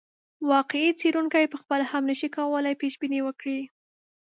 واقعي څېړونکی پخپله هم نه شي کولای پیشبیني وکړي.